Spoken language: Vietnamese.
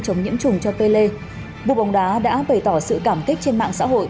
chống nhiễm trùng cho pele vua bóng đá đã bày tỏ sự cảm kích trên mạng xã hội